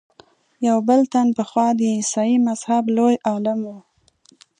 یو بل تن پخوا د عیسایي مذهب لوی عالم و.